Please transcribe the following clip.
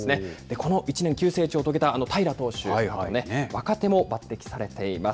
この１年、急成長を遂げたあの平良投手、若手も抜擢されています。